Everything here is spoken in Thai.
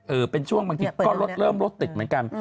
เป็นช่วงบางทีก็รถเริ่มรถติดเหมือนกัน